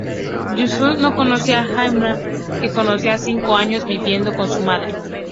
Yusuf no conocí a Ayla, que llevaba cinco años viviendo con su madre.